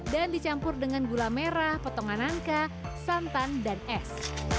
dan dicampur dengan gula merah potongan angka santan dan es